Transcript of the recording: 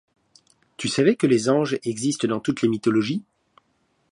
Tu savais que les anges existent dans toutes les mythologies ?